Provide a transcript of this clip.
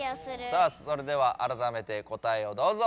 さあそれではあらためて答えをどうぞ。